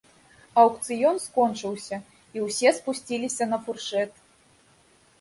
Аўкцыён скончыўся, і ўсе спусціліся на фуршэт.